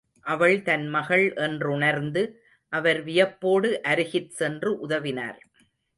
அவள் தன் மகள் என்றுணர்ந்து, அவர் வியப்போடு அருகிற் சென்று உதவினார்.